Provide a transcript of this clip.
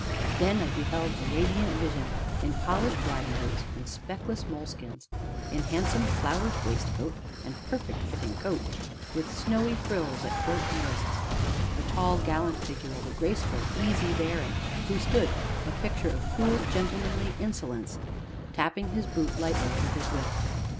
Then I beheld a radiant vision in polished riding boots and speckless moleskins, in handsome flowered waistcoat and perfect fitting coat, with snowy frills at throat and wrists; a tall, gallant figure, of a graceful, easy bearing, who stood, a picture of cool, gentlemanly insolence, tapping his boot lightly with his whip.